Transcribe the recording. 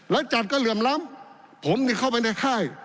แล้วจัดก็เหลื่อมล้ำผมนี่เข้าไปในค่าย